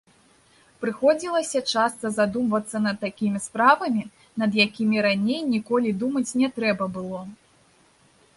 Прыходзілася часта задумвацца над такімі справамі, над якімі раней ніколі думаць не трэба было.